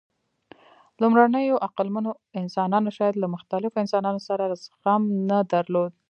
لومړنیو عقلمنو انسانانو شاید له مختلفو انسانانو سره زغم نه درلود.